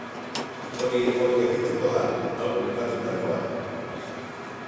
Hori hor geldituko da, hau bukatutakoan.